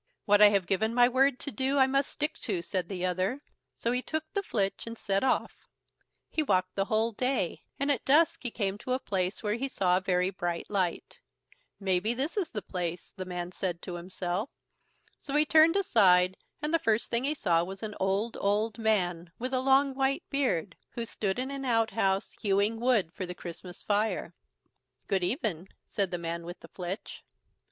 "What I have given my word to do, I must stick to", said the other; so he took the flitch and set off. He walked the whole day, and at dusk he came to a place where he saw a very bright light. "Maybe this is the place", said the man to himself. So he turned aside, and the first thing he saw was an old, old man, with a long white beard, who stood in an outhouse, hewing wood for the Christmas fire. "Good even", said the man with the flitch.